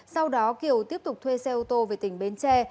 sau đó kiều tiếp tục thuê xe ô tô về tỉnh bến tre